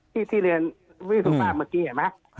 ที่เรียนวิสุภาพเมื่อกี้เห็นไหม